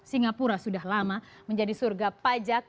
singapura sudah lama menjadi surga pajak